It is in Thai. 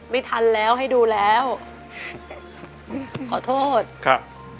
ไม่ทันแล้วให้ดูแล้วขอโทษครับ